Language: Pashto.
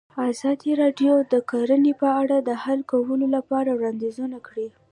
ازادي راډیو د کرهنه په اړه د حل کولو لپاره وړاندیزونه کړي.